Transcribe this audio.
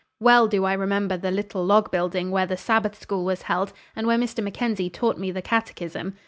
"Well do I remember the little log building where the Sabbath School was held, and where Mr. Mackenzie taught me the catechism.